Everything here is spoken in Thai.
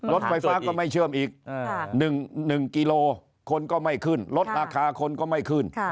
รถไฟฟ้าก็ไม่เชื่อมอีก๑กิโลคนก็ไม่ขึ้นรถราคาคนก็ไม่ขึ้น